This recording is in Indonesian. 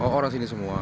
oh orang sini semua